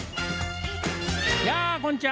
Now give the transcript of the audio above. やあこんにちは。